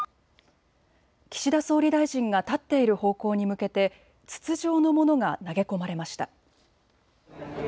岸田総理大臣が立っている方向に向けて筒状のものが投げ込まれました。